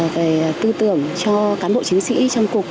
về tư tưởng cho cán bộ chiến sĩ trong cục